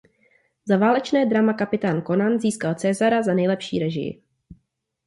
Za válečné drama "Kapitán Conan" získal Césara za nejlepší režii.